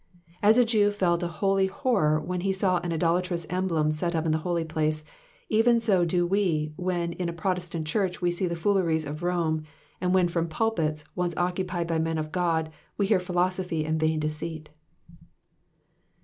As a Jew felt a holy horror when he saw an idolatrous emblem set up in the holy place, even so do we when in a Protestant church we see the fooleries of Rome, and when from pulpits, once occupied by men of God, we hear philosophy and vain deceit.